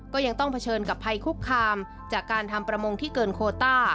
ก็ยังต้องเผชิญกับภัยคุกคามจากการทำประมงที่เกินโคต้า